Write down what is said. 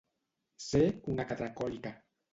Ser una catracòlica.